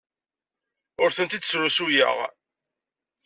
Ur tent-id-srusuyeɣ.